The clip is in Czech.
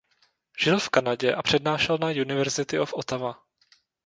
Žil v Kanadě a přednášel na University of Ottawa.